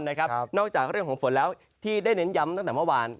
นอกจากเรื่องของฝนแล้วที่ได้เน้นย้ำตั้งแต่เมื่อวาน